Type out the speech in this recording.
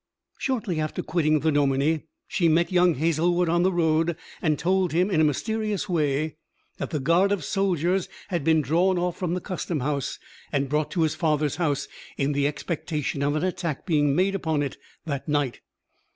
Shortly after quitting the dominie she met young Hazlewood on the road, and told him, in a mysterious way, that the guard of soldiers had been drawn off from the custom house, and brought to his father's house, in the expectation of an attack being made upon it that night.